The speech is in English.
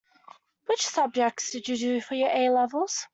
Which subjects did you do for your A-levels?